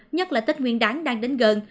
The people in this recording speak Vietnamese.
nhất là tết nguyên đáng đang đến gần